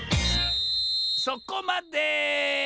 そこまで！